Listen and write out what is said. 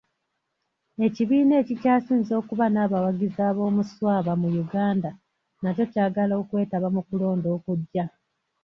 Ekibiina ekikyasinze okuba n'abawagizi aboomuswaba mu Uganda nakyo kyagala okwetaba mu kulonda okujja.